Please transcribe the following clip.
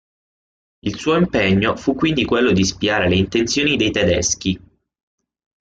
Il suo impegno fu quindi quello di spiare le intenzioni dei tedeschi.